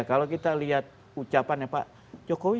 kalau kita lihat ucapannya pak jokowi